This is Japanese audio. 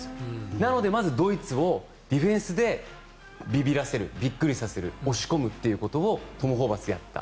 なので、まずドイツをディフェンスでびびらせるびっくりさせる押し込むことをトム・ホーバス監督はやった。